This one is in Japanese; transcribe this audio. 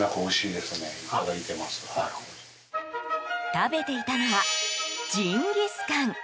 食べていたのはジンギスカン。